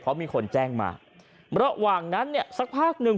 เพราะมีคนแจ้งมาระหว่างนั้นเนี่ยสักพักหนึ่ง